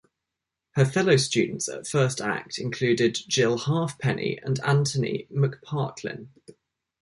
Her fellow students at First Act included Jill Halfpenny and Anthony McPartlin.